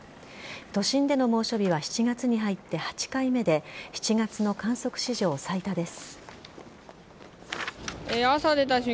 都心での猛暑日は７月に入って８回目で７月の観測史上最多です。